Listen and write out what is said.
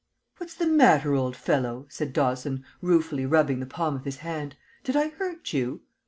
"What's the matter, old fellow?" said Dawson, ruefully rubbing the palm of his hand. "Did I hurt you?"